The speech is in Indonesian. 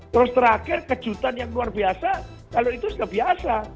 terus terakhir kejutan yang luar biasa kalau itu terbiasa